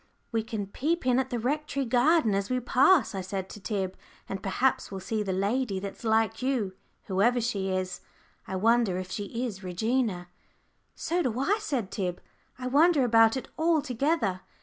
"We can peep in at the Rectory garden as we pass," I said to Tib, "and perhaps we'll see the lady that's like you, whoever she is. I wonder if she is Regina?" "So do I," said Tib; "I wonder about it altogether."